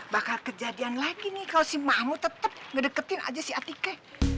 bakal kejadian lagi nih kalau si mahmu tetep ngedeketin aja si atike